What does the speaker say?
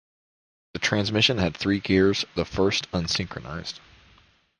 The transmission had three gears, the first unsynchronised.